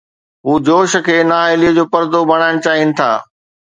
هو جوش کي نااهليءَ جو پردو بڻائڻ چاهين ٿا.